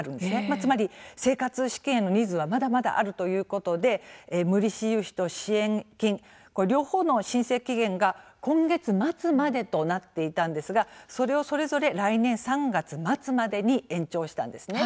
つまり生活資金へのニーズはまだまだあるということで無利子融資と支援金両方の申請期限が今月末までとなっていたんですがそれをそれぞれ来年３月末までに延長したんですね。